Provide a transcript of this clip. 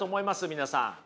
皆さん。